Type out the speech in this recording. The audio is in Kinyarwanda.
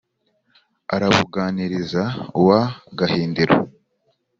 arabúganiriza uwa gahindiro